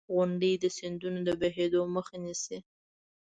• غونډۍ د سیندونو د بهېدو مخه نیسي.